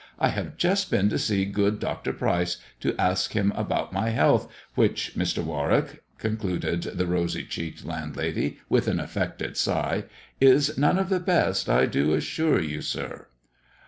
I have THE dwarf's chamber 105 just been to see good Dr. Pryce to ask him about my health, which, Mr. Warwick," concluded the rosy cheeked landlady, with an affected sigh, '' is none of the best, I do assure you, sir."